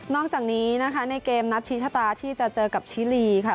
อกจากนี้นะคะในเกมนัดชี้ชะตาที่จะเจอกับชิลีค่ะ